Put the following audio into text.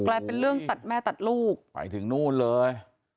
กลายเป็นเรื่องตัดแม่ตัดลูกไปถึงนู่นเลย